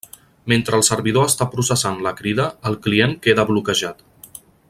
Mentre el servidor està processant la crida, el client queda bloquejat.